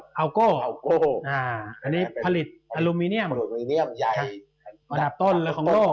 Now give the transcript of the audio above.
ฮาวโก้อันนี้ผลิตอลูมิเนียมลูมิเนียมใหญ่อันดับต้นเลยของโลก